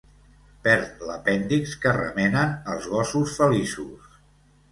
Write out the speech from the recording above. Perd l'apèndix que remenen els gossos feliços.